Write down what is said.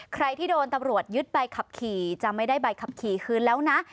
ใครที่โดนตำรวจยึดใบขับขี่จะไม่ได้ใบขับขี่คืนแล้วนะ